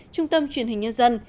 trung tâm truyền hình nhân dân